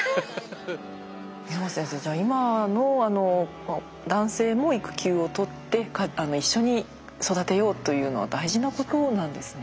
明和先生じゃあ今の男性も育休をとって一緒に育てようというのは大事なことなんですね。